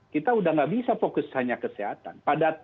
kita sudah tidak bisa fokus hanya kesehatan